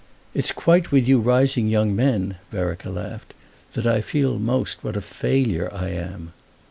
It's quite with you rising young men," Vereker laughed, "that I feel most what a failure I am!"